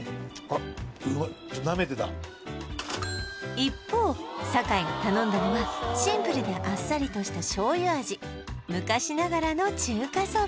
一方坂井が頼んだのはシンプルであっさりとした醤油味昔ながらの中華そば